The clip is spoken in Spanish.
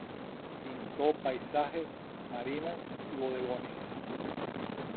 Pintó paisajes, marinas y bodegones.